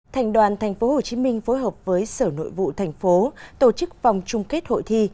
thành đoàn tp hcm phối hợp với sở nội vụ thành phố tổ chức vòng chung kết hội thi